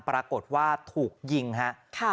ปรากฏว่าถูกยิงฮะ